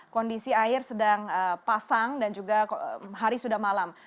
kondisi air sedang pasang dan juga hari sudah malam